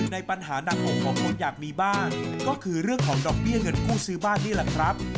ในปัญหาหนักอกของคนอยากมีบ้านก็คือเรื่องของดอกเบี้ยเงินกู้ซื้อบ้านนี่แหละครับ